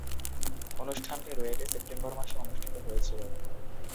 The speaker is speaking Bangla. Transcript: অনুষ্ঠানটি রুয়েটে সেপ্টেম্বর মাসে অনুষ্ঠিত হয়েছিলো।